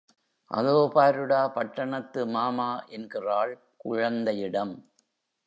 அதோ பாருடா பட்டணத்து மாமா! என்கிறாள் குழந்தையிடம்.